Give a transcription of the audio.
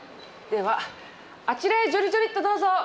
ではあちらへジョリジョリっとどうぞ。